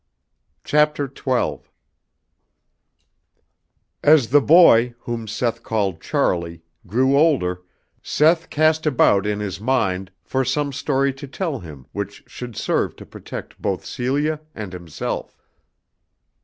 CHAPTER XII. As the boy, whom Seth called Charlie, grew older, Seth cast about in his mind for some story to tell him which should serve to protect both Celia and himself.